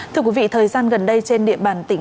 thưa quý vị thời gian gần đây trên địa bàn tp đà nẵng